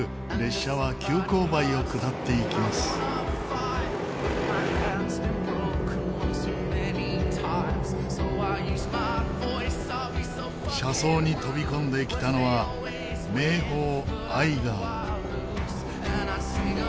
車窓に飛び込んできたのは名峰アイガー。